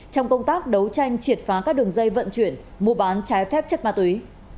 trong công tác đấu tranh triệt phá các đường dây vận chuyển mua bán trái phép chất ma túy